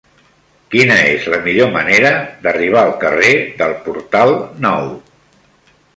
Quina és la millor manera d'arribar al carrer del Portal Nou?